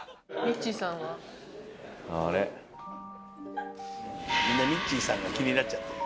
みんなみっちーさんが気になっちゃって。